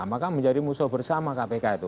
maka menjadi musuh bersama kpk itu